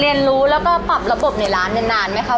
เรียนรู้แล้วก็ปรับระบบในร้านนานไหมคะ